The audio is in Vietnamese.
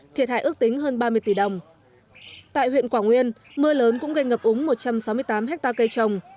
thiệt hại ước tính hơn ba mươi tỷ đồng tại huyện quảng nguyên mưa lớn cũng gây ngập úng một trăm sáu mươi tám hectare cây trồng